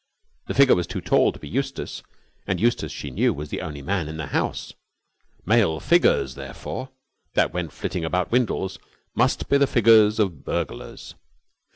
The figure was too tall to be Eustace, and Eustace, she knew, was the only man in the house. Male figures, therefore, that went flitting about Windles, must be the figures of burglars.